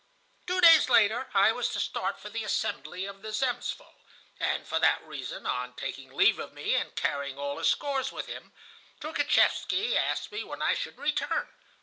"Two days later I was to start for the assembly of the Zemstvo, and for that reason, on taking leave of me and carrying all his scores with him, Troukhatchevsky asked me when I should return.